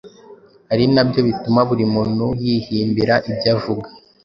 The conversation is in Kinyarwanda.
arinabyo bituma buri muntu yihimbira ibyo avuga.